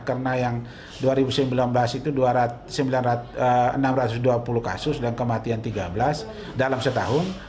karena yang dua ribu sembilan belas itu enam ratus dua puluh kasus dan kematian tiga belas dalam setahun